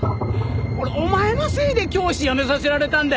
俺お前のせいで教師辞めさせられたんだよ。